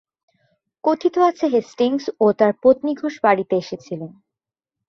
কথিত আছে হেস্টিংস ও তাঁর পত্নী ঘোষ বাড়িতে এসেছিলেন।